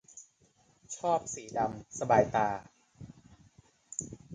ชอบสีดำ สบายตา